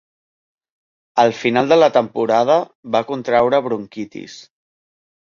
Al final de la temporada va contraure bronquitis.